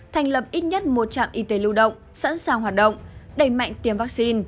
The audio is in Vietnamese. thành lập ít nhất một trạm y tế lưu động sẵn sàng hoạt động đẩy mạnh tiêm vaccine